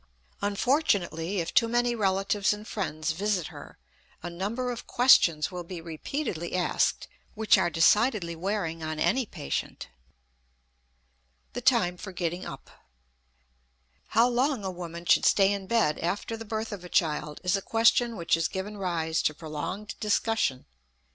Unfortunately, if too many relatives and friends visit her a number of questions will be repeatedly asked which are decidedly wearing on any patient. The Time for Getting Up. How long a woman should stay in bed after the birth of a child is a question which has given rise to prolonged discussion.